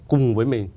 cùng với mình